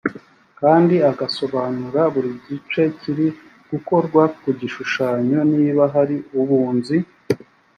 kandi agasobanura buri gice kiri gukorwa ku gishushanyo niba hari ubunzi